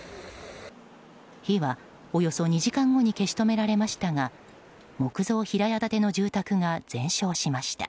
火はおよそ２時間後に消し止められましたが木造平屋建ての住宅が全焼しました。